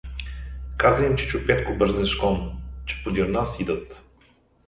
— каза им чичо Петко бързешком, — че подир нас идат!